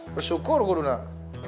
bersyukur guru nek